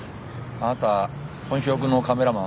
あなた本職のカメラマン？